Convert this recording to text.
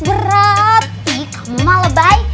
berarti kamu mah lebay